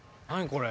これ。